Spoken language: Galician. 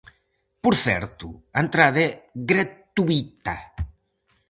Por certo, a entrada é gratuíta.